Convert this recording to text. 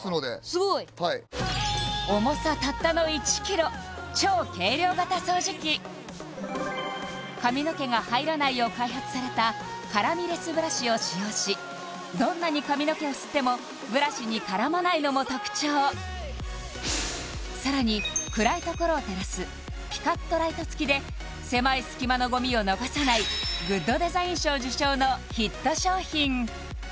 すごい重さたったの１ｋｇ超軽量型掃除機髪の毛が入らないよう開発されたからみレスブラシを使用しどんなに髪の毛を吸ってもブラシに絡まないのも特徴さらに暗いところを照らすピカッとライトつきで狭い隙間のゴミを逃さないグッドデザイン賞受賞のヒット商品